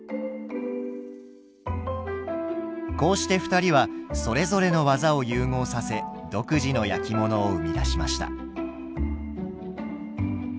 こうして２人はそれぞれの技を融合させ独自の焼き物を生み出しました。